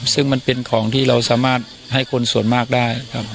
ซึ่งมันเป็นของที่เราสามารถให้คนส่วนมากได้ครับ